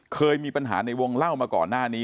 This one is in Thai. เคยมีปัญหาในวงเล่ามาก่อนหน้านี้